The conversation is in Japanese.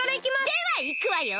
ではいくわよ！